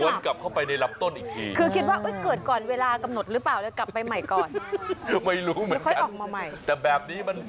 แต่แบบนี้มัน